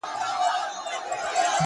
د حقیقت منل درک پراخوي!.